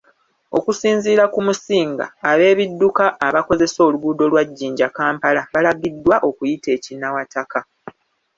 Okusinziira ku Musinga ab'ebidduka abakozesa oluguudo lwa Jinja -Kampala, balagiddwa okuyita e Kinawataka